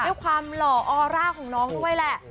ด้วยความหล่อออร่าของน้องด้วยแหละ